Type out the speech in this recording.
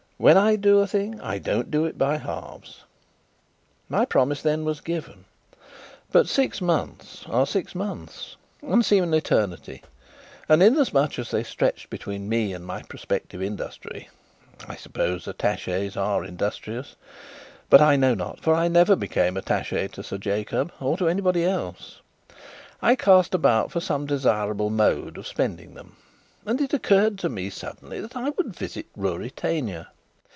When I do a thing, I don't do it by halves." My promise, then, was given; but six months are six months, and seem an eternity, and, inasmuch as they stretched between me and my prospective industry (I suppose attachés are industrious; but I know not, for I never became attaché to Sir Jacob or anybody else), I cast about for some desirable mode of spending them. And it occurred to me suddenly that I would visit Ruritania.